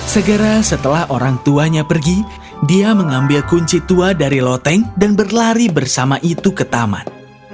segera setelah orang tuanya pergi dia mengambil kunci tua dari loteng dan berlari bersama itu ke taman